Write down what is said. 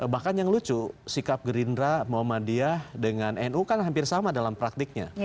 bahkan yang lucu sikap gerindra muhammadiyah dengan nu kan hampir sama dalam praktiknya